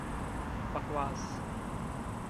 बकवास।